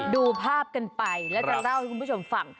ดูภาพกันไปแล้วจะเล่าให้คุณผู้ชมฟัง